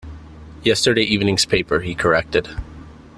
"Yesterday evening's paper," he corrected.